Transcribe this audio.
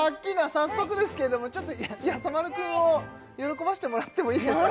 早速ですけれどもちょっとやさ丸くんを喜ばせてもらってもいいですか？